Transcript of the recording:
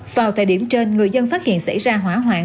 vào thời điểm trên người dân phát hiện xảy ra hỏa hoạn